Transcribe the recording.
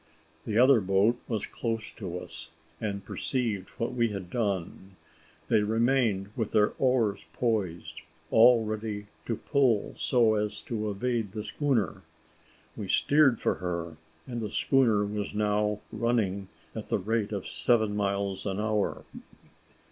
The other boat was close to us, and perceived what had been done. They remained with their oars poised, all ready to pull so as to evade the schooner. We steered for her, and the schooner was now running at the rate of seven miles an hour.